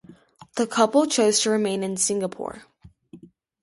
The couple chose to remain in Singapore.